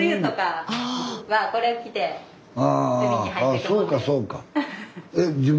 ああそうかそうか。